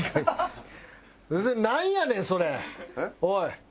おい！